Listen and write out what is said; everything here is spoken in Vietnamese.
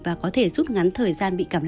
và có thể giúp ngắn thời gian bị cảm lạnh